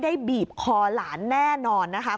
อาจจะจับหน้า